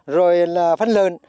rồi là phân lơn